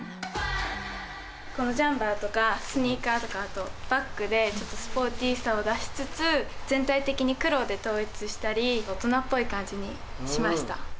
このジャンパーとかスニーカーとか、あとバッグで、ちょっとスポーティーさを出しつつ、全体的に黒で統一したり、大人っぽい感じにしました。